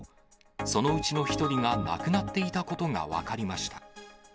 そのうちの１人が亡くなっていたことが分かりました。